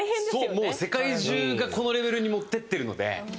もう世界中が、このレベルに持っていってるので。